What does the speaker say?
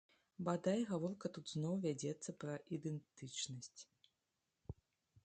Бадай, гаворка тут зноў вядзецца пра ідэнтычнасць.